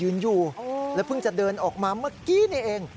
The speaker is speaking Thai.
อยู่แล้วเพิ่งจะเดินออกมาเมื่อกี้นี่เอง